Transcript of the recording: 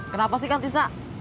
kenapa sih kantis nak